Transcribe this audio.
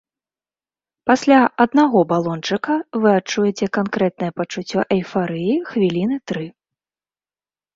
Пасля аднаго балончыка вы адчуеце канкрэтнае пачуццё эйфарыі хвіліны тры.